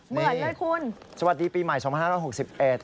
เหมือนเลยคุณสวัสดีปีใหม่สองพันห้าร้อยหกสิบเอ็ด